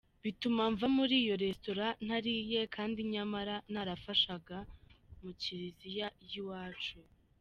Bituma mva muri iyo restaurent ntariye kandi nyamara narafashaga mu Kiliziya y'iwacu.